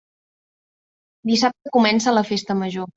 Dissabte comença la Festa Major.